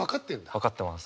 分かってます。